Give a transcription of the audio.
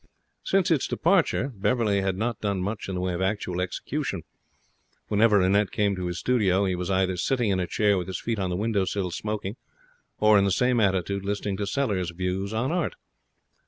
Since its departure Beverley had not done much in the way of actual execution. Whenever Annette came to his studio he was either sitting in a chair with his feet on the window sill, smoking, or in the same attitude listening to Sellers' views on art.